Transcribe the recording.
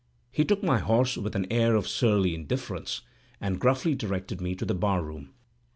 He took my horse with an air of surly indifference, and gruffly directed me to the bar room.